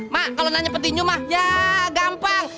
mah kalo nanya peti ju mah ya gampang